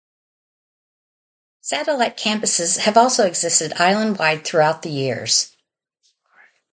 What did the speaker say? Satellite campuses have also existed island-wide throughout the years.